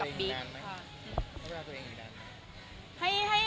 ให้เวลาตัวเองอีกแล้ว